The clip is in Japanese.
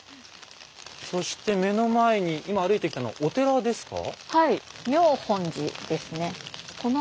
そして目の前に今歩いてきたのはお寺ですか？